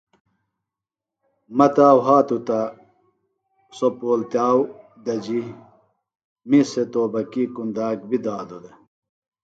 مہ تا وھاتوۡ تہ، سوۡ پولتِیاؤ دجیۡ، می سےۡ توبکی کُنداک بیۡ دادوۡ دےۡ